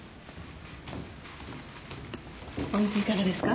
お水いかがですか？